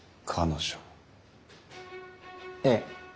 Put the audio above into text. ええ。